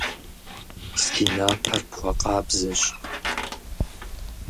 Си напэр пхуэкъабзэщ.